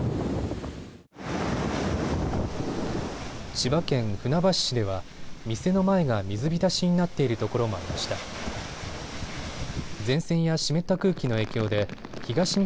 千葉県船橋市では店の前が水浸しになっているところもありました。